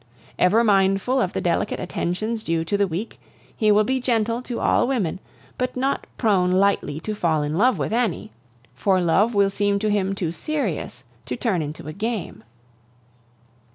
Ever mindful of the delicate attentions due to the weak, he will be gentle to all women, but not prone lightly to fall in love with any; for love will seem to him too serious to turn into a game.